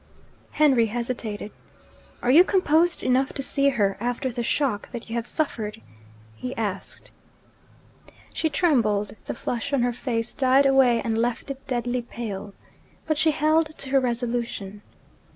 Henry hesitated. 'Are you composed enough to see her, after the shock that you have suffered?' he asked. She trembled, the flush on her face died away, and left it deadly pale. But she held to her resolution.